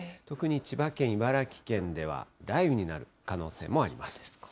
特に千葉県、茨城県では雷雨になる可能性もあります。